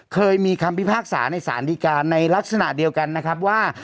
เคยมีคำพิพากษาในสารดีการในลักษณะเดียวกันนะครับว่า